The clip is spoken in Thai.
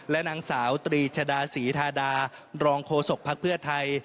และนางสาวตรีชดาศรีทาดารองโฆษกภักดิ์เพื่อไทย